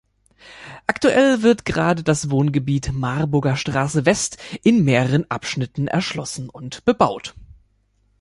Aktuell wird gerade das Wohngebiet „Marburger Straße West“ in mehreren Abschnitten erschlossen und bebaut.